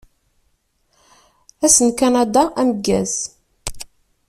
Ass n Kanada ameggaz!